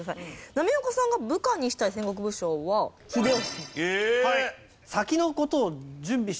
波岡さんが部下にしたい戦国武将は秀吉。